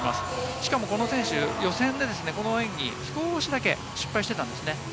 しかもこの選手、予選でこの演技、少しだけ失敗していたんですね。